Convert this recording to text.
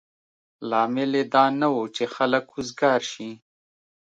لامل یې دا نه و چې خلک وزګار شي.